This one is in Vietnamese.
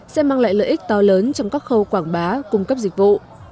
sẽ mang lại lợi ích to lớn trong các khâu quảng bá cung cấp dịch vụ